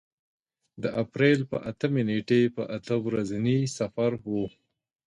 د اپرېل په اتمې نېټې په اته ورځني سفر و.